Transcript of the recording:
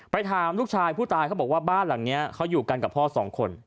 ถามลูกชายผู้ตายเขาบอกว่าบ้านหลังนี้เขาอยู่กันกับพ่อสองคน